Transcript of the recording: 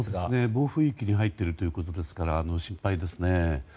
暴風域に入っているということですから心配ですね。